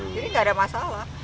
jadi nggak ada masalah